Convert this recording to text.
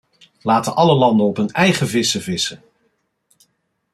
Laten alle landen op hun eigen vissen vissen!